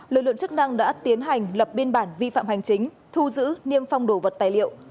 lực lượng chức năng đã tiến hành lập biên bản vi phạm hành chính thu giữ niêm phong đồ vật tài liệu